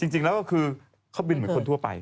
จริงแล้วก็คือเขาบินเหมือนคนทั่วไป